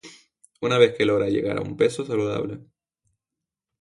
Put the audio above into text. Una vez que logra llegar a un peso saludable